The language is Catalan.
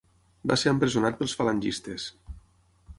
Va ser empresonat pels falangistes.